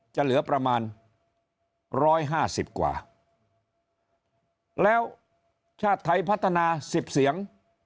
จะเหลือประมาณร้อยห้าสิบกว่าแล้วชาติไทยพัฒนาสิบเสียง